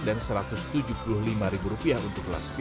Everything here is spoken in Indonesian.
dan satu ratus tujuh puluh lima ribu rupiah untuk kelas vip